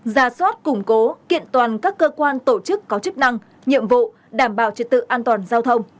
ra soát củng cố kiện toàn các cơ quan tổ chức có chức năng nhiệm vụ đảm bảo trật tự an toàn giao thông